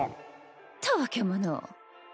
たわけもの。